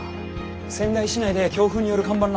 仙台市内で強風による看板落下。